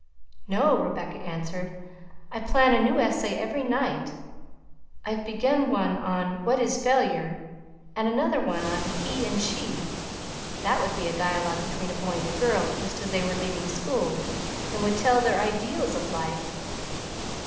"No," Rebecca answered; "I plan a new essay every night. I've begun one on What is Failure? and another on He and She. That would be a dialogue between a boy and girl just as they were leaving school, and would tell their ideals of life.